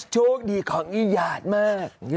โชคดีของอีหยาดมาก